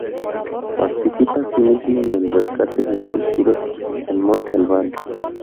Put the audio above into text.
Participa, así mismo en el rescate de estructuras en Monte Albán.